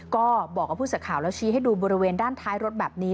ก็บอกกับผู้สื่อข่าวแล้วชี้ให้ดูบริเวณด้านท้ายรถแบบนี้